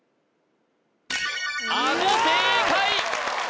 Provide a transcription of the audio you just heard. あご正解！